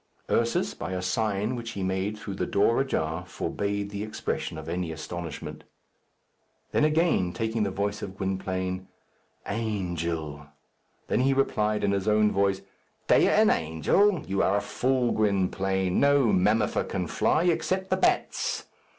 Ursus, by a sign which he made through the door ajar, forbade the expression of any astonishment. Then, again taking the voice of Gwynplaine, "Angel!" Then he replied in his own voice, "Dea an angel! You are a fool, Gwynplaine. No mammifer can fly except the bats."